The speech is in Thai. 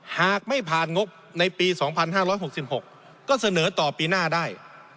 หากไม่ผ่านงบในปี๒๕๖๖ก็เสนอต่อปีหน้าได้